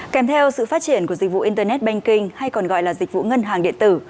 kèm theo sự phát triển của dịch vụ internet banking hay còn gọi là dịch vụ ngân hàng điện tử